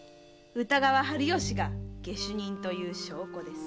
歌川春芳が下手人という証拠です。